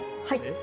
はい。